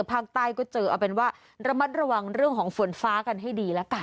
ภาคใต้ก็เจอเอาเป็นว่าระมัดระวังเรื่องของฝนฟ้ากันให้ดีแล้วกัน